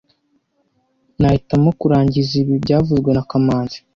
Nahitamo kurangiza ibi byavuzwe na kamanzi